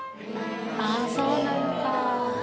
あっそうなのか。